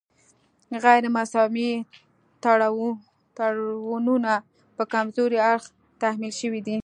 غیر مساوي تړونونه په کمزوري اړخ تحمیل شوي دي